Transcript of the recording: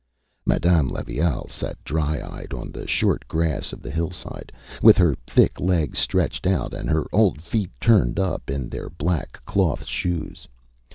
Madame Levaille sat, dry eyed, on the short grass of the hill side, with her thick legs stretched out, and her old feet turned up in their black cloth shoes.